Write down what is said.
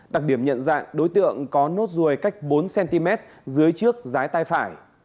đặc điểm nhận dạng đối tượng có nốt ruồi cách bốn cm dưới trước rái tay phải